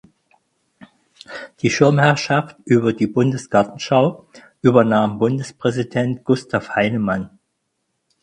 Die Schirmherrschaft über die Bundesgartenschau übernahm Bundespräsident Gustav Heinemann.